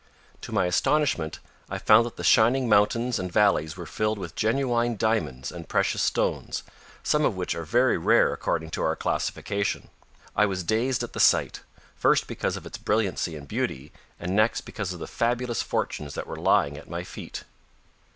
To my astonishment, I found that the shining mountains and valleys were filled with genuine diamonds and precious stones, some of which are very rare according to our classification. I was dazed at the sight, first because of its brilliancy and beauty, and next because of the fabulous fortunes that were lying at my feet.